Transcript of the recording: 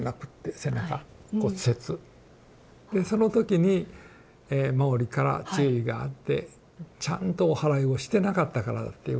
でその時にマオリから注意があって「ちゃんとおはらいをしてなかったからだ」って言われまして。